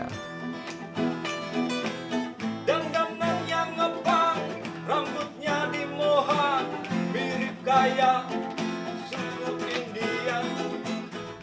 dengdengannya ngebang rambutnya dimohon mirip kayak seribu indian